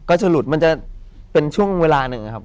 ฉลุดมันจะเป็นช่วงเวลาหนึ่งครับ